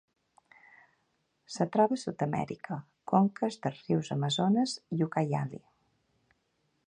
Es troba a Sud-amèrica: conques dels rius Amazones i Ucayali.